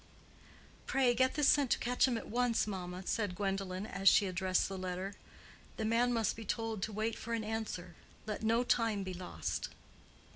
"Pray get this sent to Quetcham at once, mamma," said Gwendolen, as she addressed the letter. "The man must be told to wait for an answer. Let no time be lost."